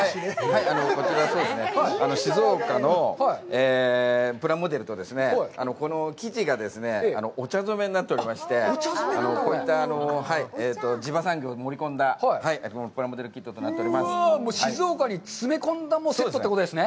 こちら、静岡のプラモデルとこの生地が、お茶染めになっておりまして、こういった地場産業を盛り込んだプラモデルキットとなっております。